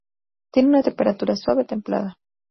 Tiene una temperatura suave, templada.